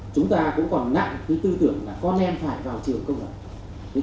chúng ta cũng còn nặng cái tư tưởng là con em phải vào trường không ạ